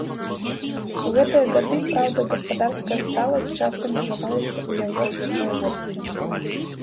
У гэтыя гады, праўда, гаспадарская сталасць часта межавалася ў яго з свавольствам.